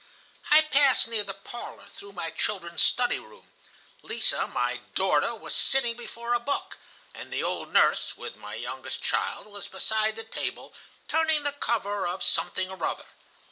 "I passed near the parlor, through my children's study room. Lise, my daughter, was sitting before a book, and the old nurse, with my youngest child, was beside the table, turning the cover of something or other.